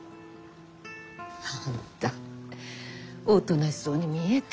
あんたおとなしそうに見えて。